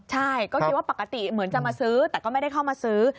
ใช่ก็คิดว่าปกติเหมือนจะมาซื้อแต่ก็ไม่ได้เข้ามาซื้อ